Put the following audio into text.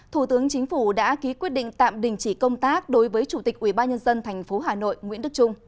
thủ tướng chính phủ đã ký quyết định tạm đình chỉ công tác đối với chủ tịch ubnd tp hà nội nguyễn đức trung